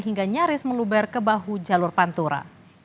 hingga nyaris meluber ke bahu jalur pantura